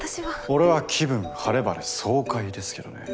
俺は気分晴れ晴れ爽快ですけどね。